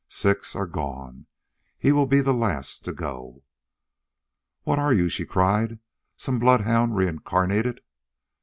Six are gone; he will be the last to go." "What are you?" she cried. "Some bloodhound reincarnated?"